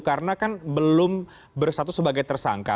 karena kan belum bersatu sebagai tersangka